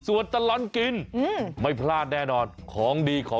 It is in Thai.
สวัสดีครับคุณพี่สวัสดีครับคุณพี่สวัสดีครับ